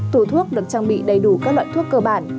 tủ thuốc được trang bị đầy đủ các loại thuốc cơ bản